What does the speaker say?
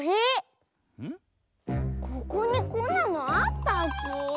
ここにこんなのあったっけ？